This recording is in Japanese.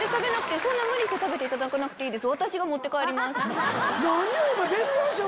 そんな無理して食べていただかなくていいです。